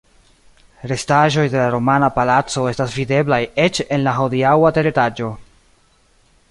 Restaĵoj de la romana palaco estas videblaj eĉ en la hodiaŭa teretaĝo.